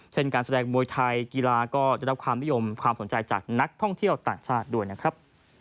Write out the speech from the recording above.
การแสดงมวยไทยกีฬาก็ได้รับความนิยมความสนใจจากนักท่องเที่ยวต่างชาติด้วยนะครับ